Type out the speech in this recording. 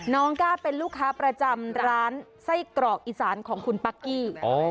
ก้าเป็นลูกค้าประจำร้านไส้กรอกอีสานของคุณปั๊กกี้